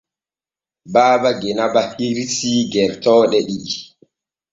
Baaba Genaba hirsii gertooɗe ɗiɗi.